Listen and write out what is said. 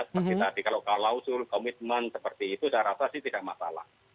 seperti tadi kalau klausul komitmen seperti itu saya rasa sih tidak masalah